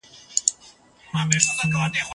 یو ښه کتاب د رڼا په څېر وي.